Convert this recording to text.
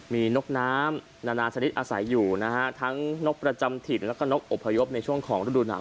มีนกน้ำนานาชนิดอาศัยอยู่นะฮะทั้งนกประจำถิ่นแล้วก็นกอบพยพในช่วงของฤดูหนาว